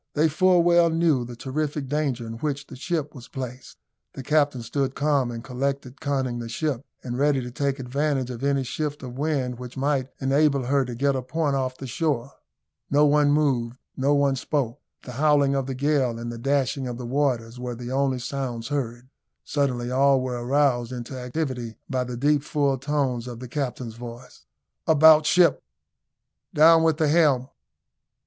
They full well knew the terrific danger in which the ship was placed. The captain stood calm and collected, conning the ship, and ready to take advantage of any shift of wind which might enable her to get a point off the shore. No one moved no one spoke the howling of the gale and the dashing of the waters were the only sounds heard. Suddenly all were aroused into activity by the deep full tones of the captain's voice. "About ship!" "Down with the helm!"